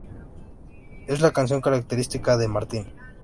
Es la canción característica de Martin.